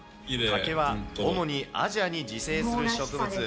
竹は主にアジアに自生する植物。